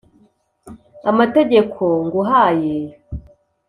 Amategeko nguhaye